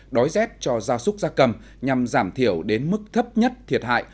đói rét cho gia súc gia cầm nhằm giảm thiểu đến mức thấp nhất thiệt hại